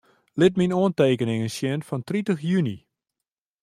Lit myn oantekeningen sjen fan tritich juny.